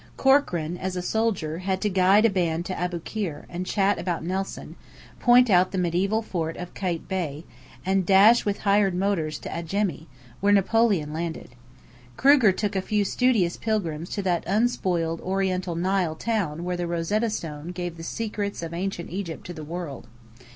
Corkran, as a soldier, had to guide a band to Aboukir, and chat about Nelson; point out the medieval fort of Kait Bey, and dash with hired motors to Adjemi, where Napoleon landed. Kruger took a few studious pilgrims to that unspoiled Oriental Nile town where the Rosetta Stone gave the secrets of Ancient Egypt to the world.